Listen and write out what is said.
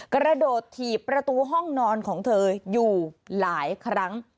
กระโดดถีบประตูห้องนอนของเธออยู่หลายครั้ง